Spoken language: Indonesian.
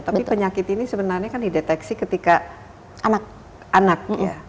tapi penyakit ini sebenarnya kan dideteksi ketika anak ya